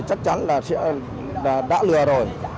chắc chắn là đã lừa rồi